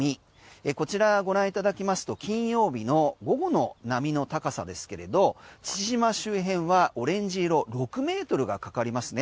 こちらご覧いただきますと金曜日の午後の波の高さですけれど父島周辺はオレンジ色６ｍがかかりますね。